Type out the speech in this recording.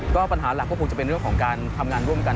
ก็ปัญหาหลักก็คงจะเป็นเรื่องของการทำงานร่วมกัน